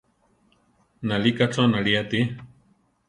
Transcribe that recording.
Nalíka cho náli ati.